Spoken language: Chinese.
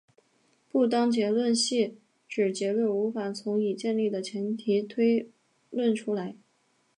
不当结论系指结论无法从已建立的前提推论出来。